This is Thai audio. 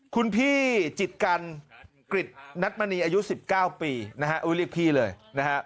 คุณพี่จิตกันกริจนัทมณีอายุ๑๙ปีนะฮะเรียกพี่เลยนะฮะ